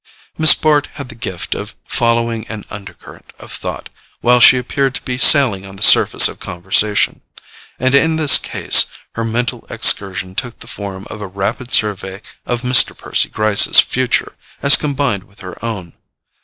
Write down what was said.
Miss Bart had the gift of following an undercurrent of thought while she appeared to be sailing on the surface of conversation; and in this case her mental excursion took the form of a rapid survey of Mr. Percy Gryce's future as combined with her own.